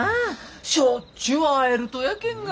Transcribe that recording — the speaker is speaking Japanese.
しょっちゅう会えるとやけんが。